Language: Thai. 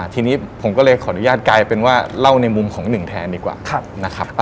ทีนี้ผมก็เลยขออนุญาตกลายเป็นว่าเล่าในมุมของหนึ่งแทนดีกว่านะครับ